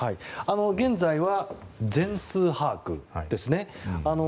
現在は全数把握ですね。